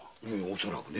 恐らくね。